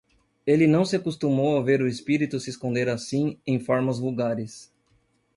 Ele não se acostumou a ver o espírito se esconder assim em formas vulgares.